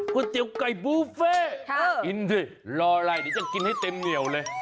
เตี๋ยวไก่บุฟเฟ่กินสิรออะไรเดี๋ยวจะกินให้เต็มเหนียวเลย